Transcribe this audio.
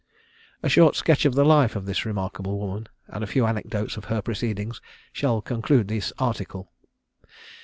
A short sketch of the life of this remarkable woman, and a few anecdotes of her proceedings, shall conclude this article.